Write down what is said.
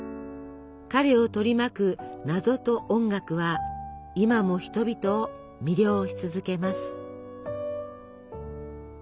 彼を取り巻く謎と音楽は今も人々を魅了し続けます。